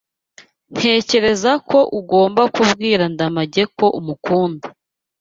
Ntekereza ko ugomba kubwira Ndamage ko umukunda.